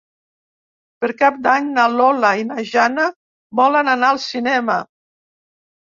Per Cap d'Any na Lola i na Jana volen anar al cinema.